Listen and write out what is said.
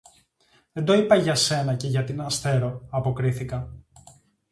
Δεν το είπα για σένα και για την Αστέρω, αποκρίθηκα